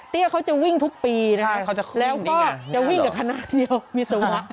เตี้ยเขาจะวิ่งทุกปีนะครับแล้วก็จะวิ่งกับคณะที่เดียววิศวะ